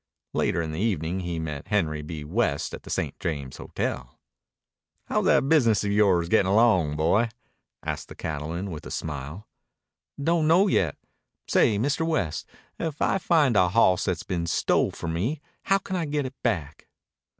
Later in the evening he met Henry B. West at the St. James Hotel. "How's that business of yore's gettin' along, boy?" asked the cattleman with a smile. "Don' know yet. Say, Mr. West, if I find a hawss that's been stole from me, how can I get it back?"